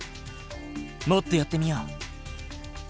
もっと寄ってみよう。